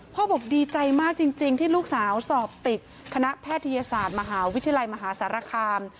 บอกดีใจมากจริงที่ลูกสาวสอบติดคณะแพทยศาสตร์มหาวิทยาลัยมหาสารคาม